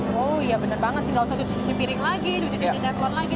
oh iya benar banget sih nggak usah cuci cuci piring lagi cuci cuci tindak buat lagi